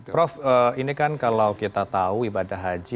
prof ini kan kalau kita tahu ibadah haji